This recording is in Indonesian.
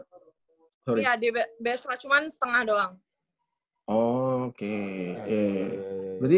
iya beasiswa cuman setengah doang